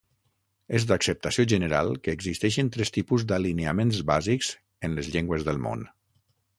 És d'acceptació general que existeixen tres tipus d'alineaments bàsics en les llengües del món.